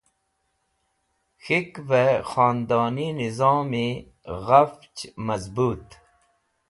K̃hikve Khondoni Nizom Ghafch Mazbut